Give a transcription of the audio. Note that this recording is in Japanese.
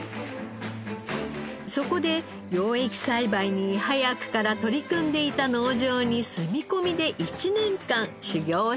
そこで養液栽培に早くから取り組んでいた農場に住み込みで１年間修業をしました。